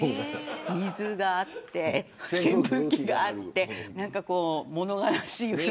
水があって、扇風機があって物悲しい雰囲気。